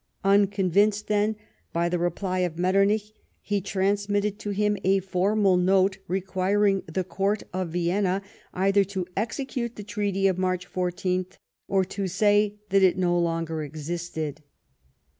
Unconvinced, then, by the reply of Metternich, he transmitted to him a formal note requiring the Court of Vienna either to execute the treaty of March 14, or to say that it no longer existed.